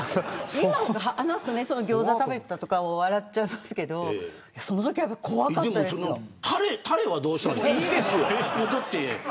今、話すとギョーザ食べてたとか笑っちゃいますけどそのときは怖かったですよ。